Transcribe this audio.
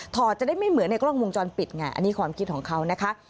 จะได้ไม่เหมือนในกล้องวงจรปิดไงอันนี้ความคิดของเขานะคะ